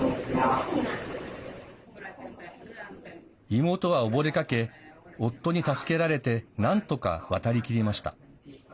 妹は溺れかけ、夫に助けられてなんとか、渡りきりました。